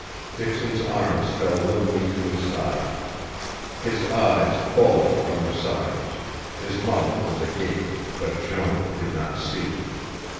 Dixon's arms fell limply to his side. His eyes bulged from their sockets, his mouth was agape, but Jean did not see.